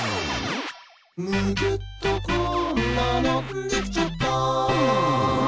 「むぎゅっとこんなのできちゃった！」